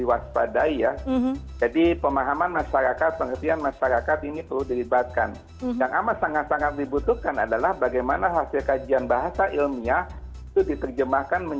waspadai ya tadi pemahaman masyarakat pengertian masyarakat ini perlu dibatkan